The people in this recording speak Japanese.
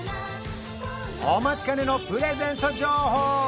お待ちかねのプレゼント情報